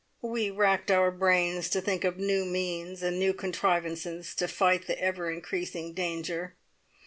We racked our brains to think of new means and new contrivances to fight the ever increasing danger.